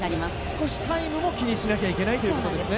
少しタイムも気にしなければいけないということですね